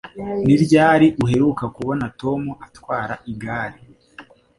Ni ryari uheruka kubona Tom atwara igare?